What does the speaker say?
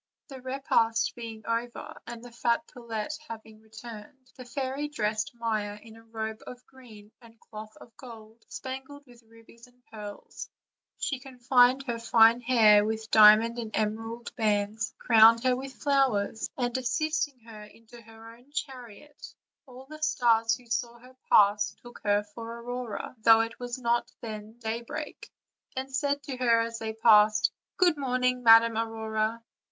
The repast being over, and the fat pullet having re turned, the fairy dressed Maia in a robe of green and cloth of gold, spangled with rubies and pearls; she confined her fair hair with diamond and emerald bands, crowned her with flowers, and assisting her into her own chariot, all the stars who saw her pass took her for Aurora, though it was not then daybreak, and said to her as they passed: "Good morning, Madam Aurora."